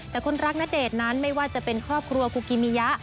แต่คนรักณเดชน์นั้นไม่ว่าจะเป็นครอบครัวกูกิมิยะ